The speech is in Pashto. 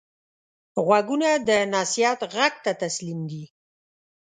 غوږونه د نصیحت غږ ته تسلیم دي